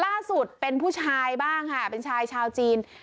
ล่าสุดเป็นผู้ชายบ้างค่ะเป็นชายชาวจีน